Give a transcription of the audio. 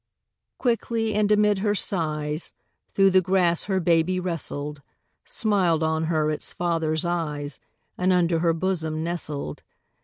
Quickly, and amid her sighs, Through the grass her baby wrestled, Smiled on her its father's eyes, And unto her bosom nestled.